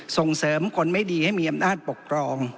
ส่งเสริมคนไม่ดีให้มีอำนาจปกครอง